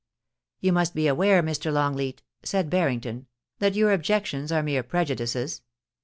*You must be aware, Mr. Longleat,' said Barrington, *that your objections are mere prejudices.